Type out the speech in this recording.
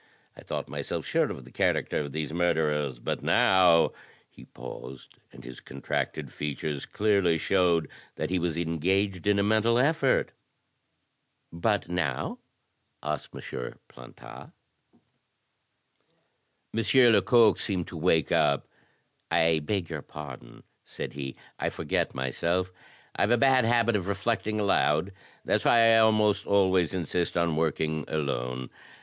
I thought myself sure of the character of these murderers; but now —" He paused; and his contracted features clearly showed that he was engaged in a mental effort. "But now?" asked M. Plantat. M. Lecoq seemed to wake up. "I beg your pardon," said he. I forget myself. I've a bad habit of reflecting aloud. That's why I almost always insist on working alone.